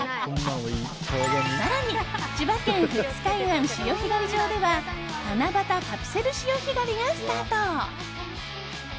更に千葉県富津海岸潮干狩り場では七夕カプセル潮干狩りがスタート。